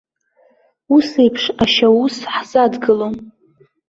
Уи еиԥш ашьаус ҳзадгылом!